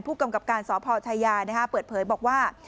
ผู้กำกับการสพชายาเปิดเผยบอกว่า